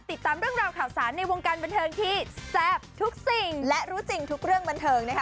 ติดตามเรื่องราวข่าวสารในวงการบันเทิงที่แซ่บทุกสิ่งและรู้จริงทุกเรื่องบันเทิงนะคะ